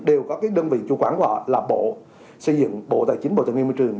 đều có cái đơn vị chủ quản của họ là bộ xây dựng bộ tài chính bộ tài nguyên môi trường